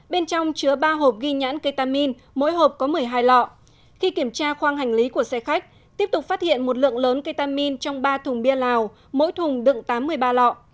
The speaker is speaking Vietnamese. bên trong chứa ba hộp ghi nhãn ketamin mỗi hộp có một mươi hai lọ khi kiểm tra khoang hành lý của xe khách tiếp tục phát hiện một lượng lớn ketamin trong ba thùng bia lào mỗi thùng đựng tám mươi ba lọ